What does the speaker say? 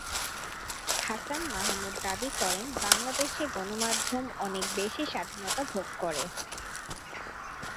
হাছান মাহমুদ দাবি করেন, বাংলাদেশে সংবাদমাধ্যম অনেক বেশি স্বাধীনতা ভোগ করে।